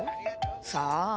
さあ？